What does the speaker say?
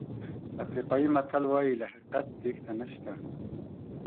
افریقایي متل وایي له حقیقت تېښته نشته.